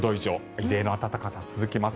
異例の暖かさは続きます。